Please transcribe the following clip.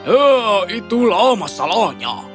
ah itulah masalahnya